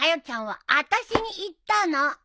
ちゃんはあたしに言ったの。